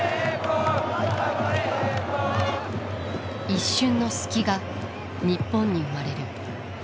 一瞬の隙が日本に生まれる。